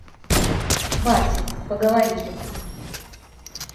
Хватит, поговорили!